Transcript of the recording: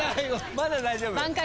まだ大丈夫。